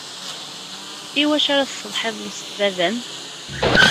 Iwacu ara tessetḥiḍ s baba-m?